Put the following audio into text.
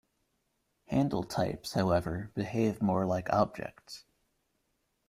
Handle types, however, behave more like objects.